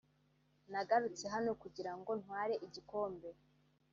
nagarutse hano kugira ngo ntware igikombe